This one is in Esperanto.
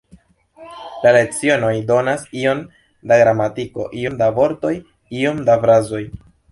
La lecionoj donas iom da gramatiko, iom da vortoj, iom da frazoj.